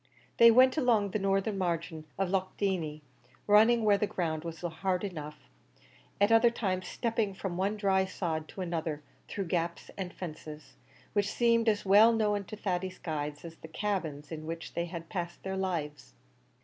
They went along the northern margin of Loch Dieney, running where the ground was hard enough, at other times stepping from one dry sod to another, through gaps and fences, which seemed as well known to Thady's guides as the cabins in which they had passed their lives.